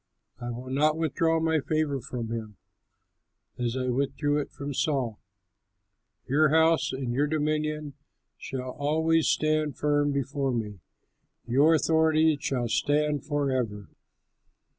I will not withdraw my favor from him as I withdrew it from Saul. Your house and your dominion shall always stand firm before me; your authority shall stand forever.'"